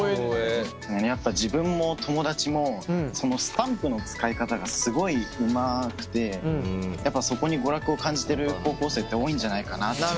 やっぱ自分も友達もスタンプの使い方がすごいうまくてやっぱそこに娯楽を感じてる高校生って多いんじゃないかなって。